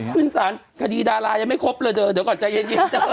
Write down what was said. ขึ้นสารคดีดารายังไม่ครบเลยเธอเดี๋ยวก่อนใจเย็น